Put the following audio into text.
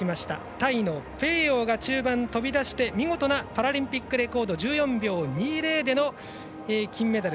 タイのペーヨーが中盤飛び出して見事なパラリンピックレコード１４秒２０での金メダル。